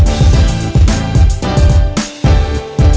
ต่อให้พอรู้สึกว่าเราอยากรับเอง